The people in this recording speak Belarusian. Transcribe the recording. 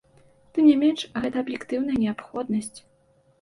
Тым не менш, гэта аб'ектыўная неабходнасць.